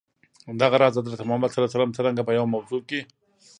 دغه راز، حضرت محمد ص څرنګه په یوه موضوع کي.